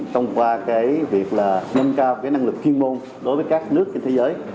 thông qua việc nâng cao năng lực chuyên môn đối với các nước trên thế giới